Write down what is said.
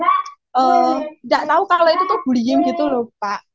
tidak tahu kalau itu tuh bullying gitu loh pak